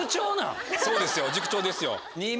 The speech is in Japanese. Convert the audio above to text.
そうですよ塾長ですよ。